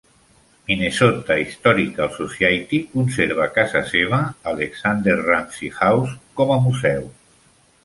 Minnesota Historical Society conserva casa seva, Alexander Ramsey House, com a museu.